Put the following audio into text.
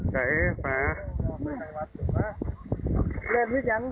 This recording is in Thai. ใช้ปลา